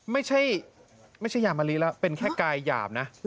ไม่ใช่ไม่ใช่ยามะลิแล้วเป็นแค่กายหยาบนะ